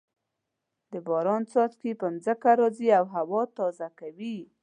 د باران څاڅکي په ځمکه راځې او هوا تازه کوي.